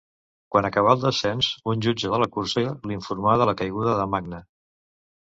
Quan acabà el descens un jutge de la cursa l'informà de la caiguda de Magne.